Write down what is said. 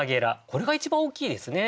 これが一番大きいですね。